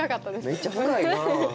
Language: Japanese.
めっちゃ深いな。